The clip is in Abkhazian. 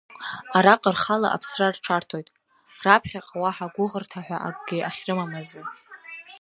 Араҟа рхала аԥсра рҽарҭоит, раԥхьаҟа уаҳа гәыӷырҭа ҳәа акгьы ахьрымам азы.